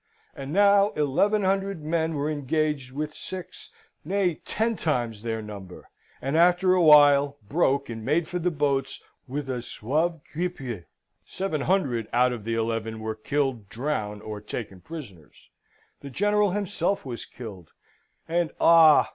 And now, eleven hundred men were engaged with six nay, ten times their number; and, after a while, broke and made for the boats with a sauve qui peut! Seven hundred out of the eleven were killed, drowned, or taken prisoners the General himself was killed and, ah!